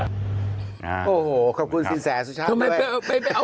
โอ้โหขอบคุณสินแสนสุชาติ